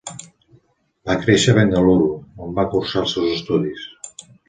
Va créixer a Bengaluru, on va cursar els seus estudis.